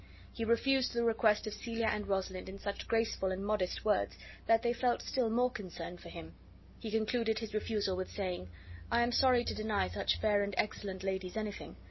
He refused the request of Celia and Rosalind in such graceful and modest words that they felt still more concern for him; he concluded his refusal with saying: "I am sorry to deny such fair and excellent ladies anything.